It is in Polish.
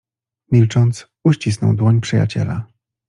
Milcząc, uścisnął dłoń przyjaciela.